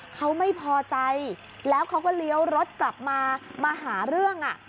เขาไม่พอใจแล้วเขาก็เลี้ยวรถกลับมามาหาเรื่อง